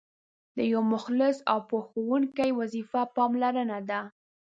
د یو مخلص او پوه ښوونکي وظیفه پاملرنه ده.